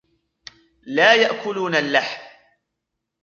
لا يأكلون اللحم.